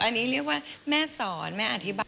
อันนี้เรียกว่าแม่สอนแม่อธิบาย